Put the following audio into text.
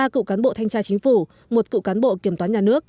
ba cựu cán bộ thanh tra chính phủ một cựu cán bộ kiểm toán nhà nước